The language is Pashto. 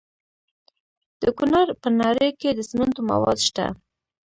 د کونړ په ناړۍ کې د سمنټو مواد شته.